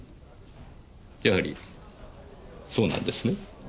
やはりそうなんですね？